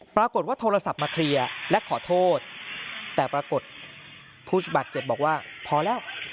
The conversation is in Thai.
ปรากฏว่าโทรศัพท์มาเคลียร์และขอโทษแต่ปรากฏผู้บาดเจ็บบอกว่าพอแล้ว